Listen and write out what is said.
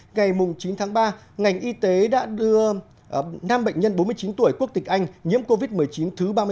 ngày chín tháng ba ngành y tế đã đưa năm bệnh nhân bốn mươi chín tuổi quốc tịch anh nhiễm covid một mươi chín thứ ba mươi sáu